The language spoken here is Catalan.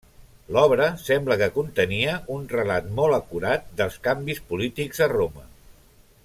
L'obra sembla que contenia un relat molt acurat dels canvis polítics a Roma.